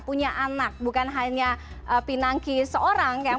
punya anak bukan hanya pinangki seorang yang